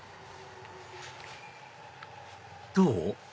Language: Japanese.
どう？